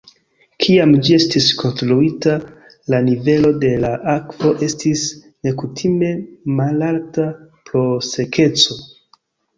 Kiam ĝi estis konstruita la nivelo de la akvo estis nekutime malalta pro sekeco.